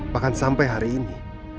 bahkan sampai hari ini